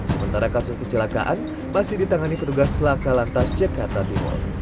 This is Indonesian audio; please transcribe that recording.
sementara kasus kecelakaan masih ditangani petugas lakalantas jakarta timur